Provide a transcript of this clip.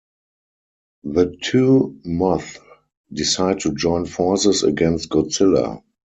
The two moths decide to join forces against Godzilla.